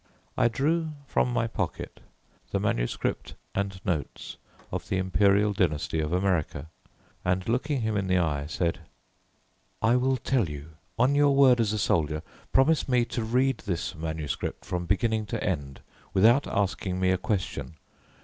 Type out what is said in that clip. I drew from my pocket the manuscript and notes of the Imperial Dynasty of America, and looking him in the eye said: "I will tell you. On your word as a soldier, promise me to read this manuscript from beginning to end, without asking me a question.